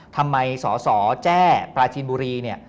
ทำไมสอสอแจ้ปราจีนบุรีเนี่ย